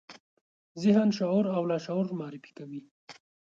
ذهن، شعور او لاشعور معرفي کوي.